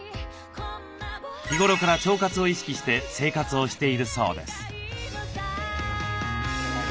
日頃から腸活を意識して生活をしているそうです。